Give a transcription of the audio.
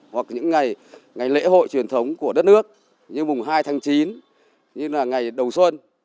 hoặc những ngày ngày lễ hội truyền thống của đất nước như mùng hai tháng chín như là ngày đầu xuân